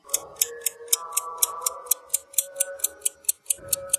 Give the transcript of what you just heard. দেশটিতে প্রভাব ধরে রাখার জন্য উভয় দেশ মরিয়া চেষ্টা করে চলেছে।